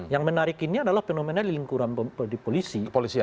yang menarik ini adalah fenomena di lingkuran di polisi